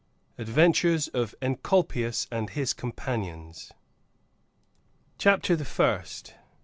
ADVENTURES OF ENCOLPIUS AND HIS COMPANIONS CHAPTER THE FIRST.